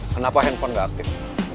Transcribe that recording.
kenapa handphone gak aktif